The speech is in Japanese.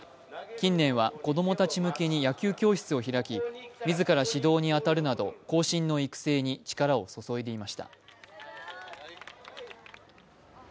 近年は子供たち向けに野球教室を開き自ら指導に当たるなど、後進の育成に力を注いでいました。